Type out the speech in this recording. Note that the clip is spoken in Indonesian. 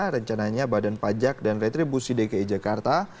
rencananya badan pajak dan retribusi dki jakarta